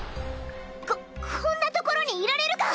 ここんな所にいられるか！